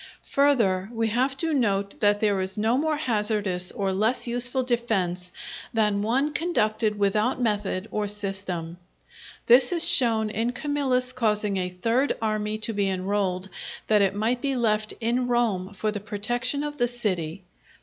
Further, we have to note that there is no more hazardous or less useful defence than one conducted without method or system. This is shown in Camillus causing a third army to be enrolled that it might be left in Rome for the protection of the city.